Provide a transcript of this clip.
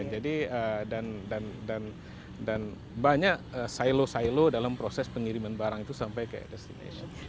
jadi dan banyak silo silo dalam proses pengiriman barang itu sampai ke destination